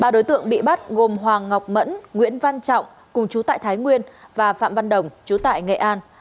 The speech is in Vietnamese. ba đối tượng bị bắt gồm hoàng ngọc mẫn nguyễn văn trọng cùng chú tại thái nguyên và phạm văn đồng chú tại nghệ an